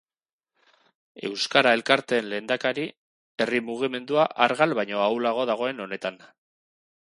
Euskara elkarteen lehendakari, herri mugimendua argal baino ahulago dagoen honetan.